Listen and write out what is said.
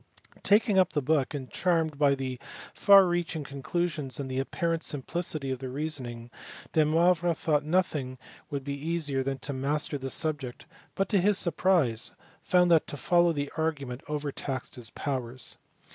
Faking up the book, and charmed by the far reaching conclusions and the apparent simplicity of the reasoning, Demoivre thought nothing would be easier than to master the subject, but to his surprise found that to follow the argument overtaxed his powers.